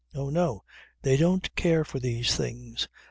Oh no. They don't care for these things.